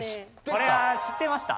これは知ってました。